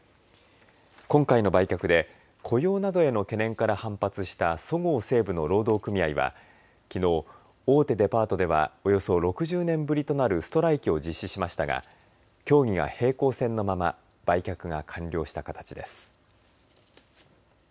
今回の売却で雇用などへの懸念から反発したそごう・西武の労働組合はきのう大手デパートではおよそ６０年ぶりとなるストライキを実施しましたが協議が平行線のまま売却が完了した形です。